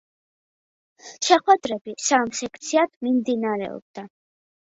შეხვედრები სამ სექციად მიმდინარეობდა.